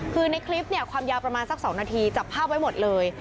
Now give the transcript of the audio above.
คือในคลิปเนี่ยความยาวประมาณสัก๒นาทีจับภาพไว้หมดเลย